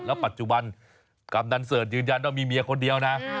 ปัจจุบันกำนันเสิร์ชยืนยันว่ามีเมียคนเดียวนะ